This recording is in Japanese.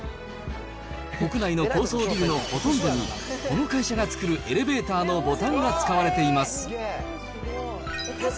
国内の高層ビルのほとんどに、この会社が作るエレベーターのボタンが使われています。